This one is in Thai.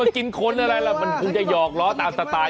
กินคนอะไรล่ะมันคงจะหยอกล้อตามสไตล์